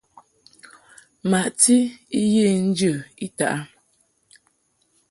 Maʼti I ye njə I taʼ a.